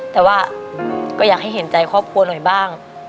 แต่ว่าก็อยากให้เห็นใจครอบครัวหน่อยบ้าง